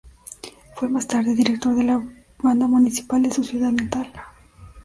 Fue más tarde director de la Banda Municipal de su ciudad natal.